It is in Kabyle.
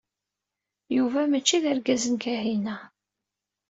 Yuba mačči d argaz n Kahina.